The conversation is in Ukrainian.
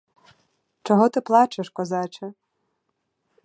Чого ти плачеш, козаче?